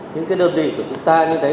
những cái đơn vị của chúng ta như thế